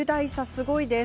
すごいです。